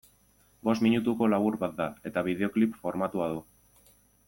Bost minutuko labur bat da, eta bideoklip formatua du.